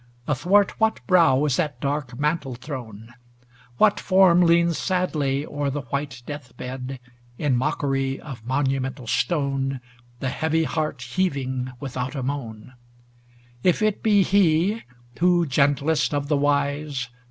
Athwart what brow is that dark mantle thrown ? What form leans sadly o'er the white death bed, In mockery of monumental stone. The heavy heart heaving without a moan^ If it be He, who, gentlest of the wise.